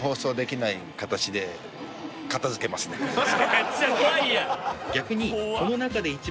［めっちゃ怖いやん］